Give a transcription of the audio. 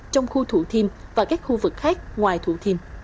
trong khu thủ thiêm và các khu vực khác ngoài thủ thiêm